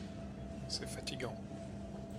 C’est fatigant.